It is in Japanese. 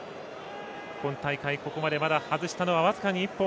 今大会、ここまでまだ外したのは１本。